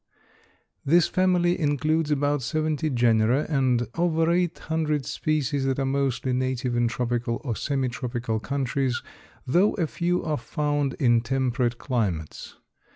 _) This family includes about seventy genera and over eight hundred species that are mostly native in tropical or semi tropical countries, though a few are found in temperate climates.